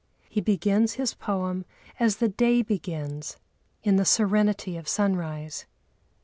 He begins his poem as the day begins, in the serenity of sunrise.